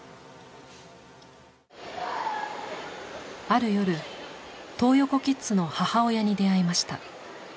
ある夜トー横キッズの母親に出会いました。